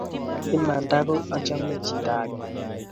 imanda ko achome chito age